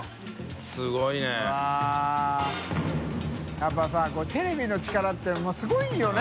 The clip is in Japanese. やっぱさテレビの力ってすごいよね。